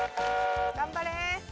頑張れ！